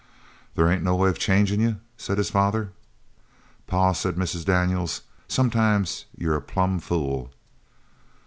"There ain't no way of changin' you?" said his father. "Pa," said Mrs. Daniels, "sometimes you're a plumb fool!"